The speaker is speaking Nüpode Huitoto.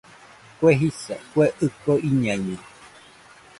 Kue jisa, Kue ɨko iñaiño